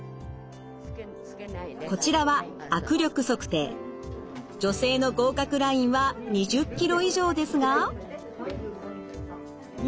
こちらは女性の合格ラインは２０キロ以上ですが。